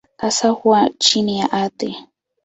Hasa huwa chini ya ardhi.